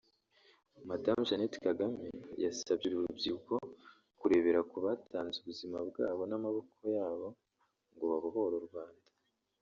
Mme Jeannette Kagame yasabye uru rubyiruko kurebera ku batanze ubuzima bwabo n’amaboko yabo ngo babohore u Rwanda